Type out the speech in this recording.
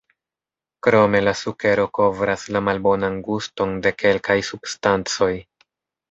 Krome la sukero kovras la malbonan guston de kelkaj substancoj.